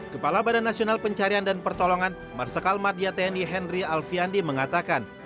kepala badan nasional pencarian dan pertolongan marsikal madya tni henry alfandi mengatakan